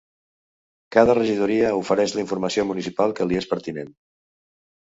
Cada regidoria ofereix la informació municipal que li és pertinent.